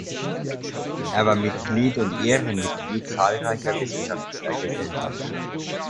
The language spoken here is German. Er war Mitglied und Ehrenmitglied zahlreicher wissenschaftlicher Gesellschaften.